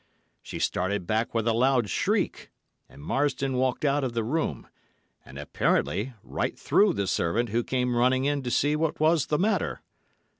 She started back with a loud shriek, and Marsdon walked out of the room, and apparently right through the servant who came running in to see what was the matter.